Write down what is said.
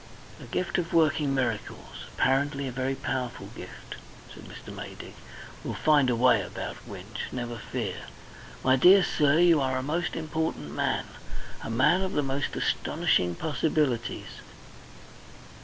"A gift of working miracles apparently a very powerful gift," said Mr. Maydig, "will find a way about Winch never fear. My dear sir, you are a most important man a man of the most astonishing possibilities.